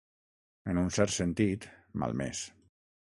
En un cert sentit, malmés.